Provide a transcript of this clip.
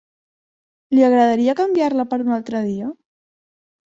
Li agradaria canviar-la per un altre dia?